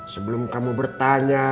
sebelum kamu bertanya